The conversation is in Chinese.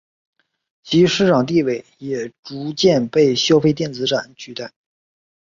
其市场地位也逐渐被消费电子展取代。